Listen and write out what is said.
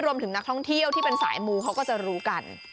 รวมถึงนักท่องเที่ยวที่เป็นสายมูเขาก็จะรู้กัน